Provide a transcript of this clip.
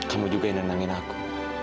kamu juga yang nenangin aku